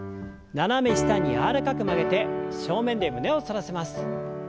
斜め下に柔らかく曲げて正面で胸を反らせます。